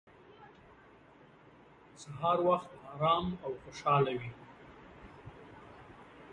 سهار وخت ارام او خوشحاله وي.